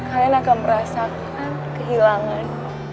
kalian akan merasakan kehilangan